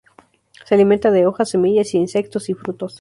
Se alimenta de hojas, semillas, insectos y frutos.